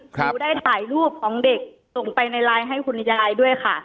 ครูได้ถ่ายรูปของเด็กส่งไปในไลน์ให้คุณยายด้วยค่ะ